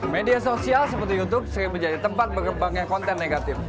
media sosial seperti youtube sering menjadi tempat berkembangnya konten negatif